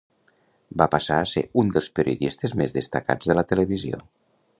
Va passar a ser "un dels periodistes més destacats de la televisió.